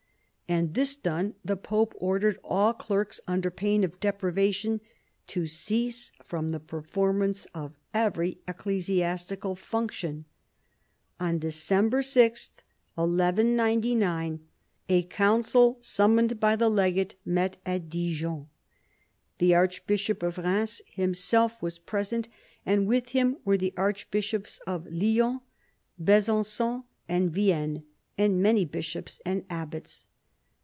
And this done, the pope ordered all clerks, under pain of deprivation, to cease from the performance of every ecclesiastical function. On December 6„ 1199, a council summoned by the legate met at Dijon. The archbishop of Eheims himself was present, and with him were the archbishops of Lyons, Besanc/m, and Vienne, and many bishops and abbats.